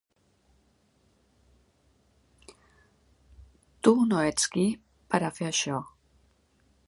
Tu no ets qui per a fer això.